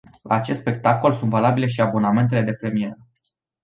La acest spectacol sunt valabile și abonamentele de premieră.